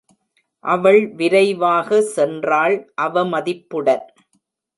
அவள் விரைவாக சென்றாள், அவமதிப்புடன்.